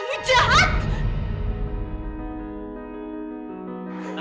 boleh bawa pun ya